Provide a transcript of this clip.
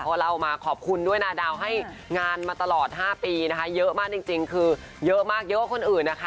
พอเล่ามาขอบคุณด้วยนาดาวให้งานมาตลอด๕ปีนะคะเยอะมากจริงคือเยอะมากเยอะกว่าคนอื่นนะคะ